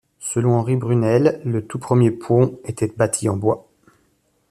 Selon Henri Bruneel, le tout premier pont était bâti en bois.